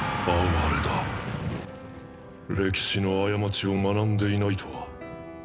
哀れだ歴史の過ちを学んでいないとは。